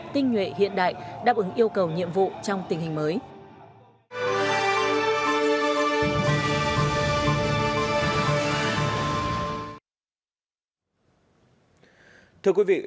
tinh nhuệ hiện đại đáp ứng yêu cầu nhiệm vụ trong tình hình mới